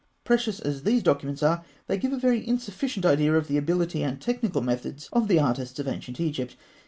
Precious as these documents are, they give a very insufficient idea of the ability and technical methods of the artists of ancient Egypt.